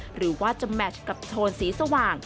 หรือว่าจะแมชกับโทนสีสว่าง